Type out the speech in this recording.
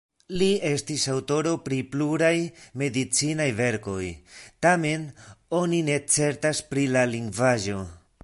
Li estis aŭtoro pri pluraj medicinaj verkoj, tamen oni ne certas pri la lingvaĵo.